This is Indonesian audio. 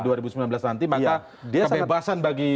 nanti maka kebebasan bagi